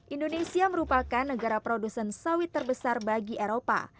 indonesia merupakan negara produsen sawit terbesar bagi eropa